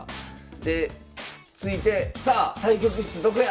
で着いてさあ対局室どこや？